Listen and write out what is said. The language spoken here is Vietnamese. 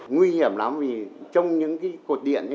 nguy hiểm lắm vì trong những cái cột điện